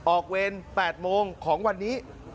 เวร๘โมงของวันนี้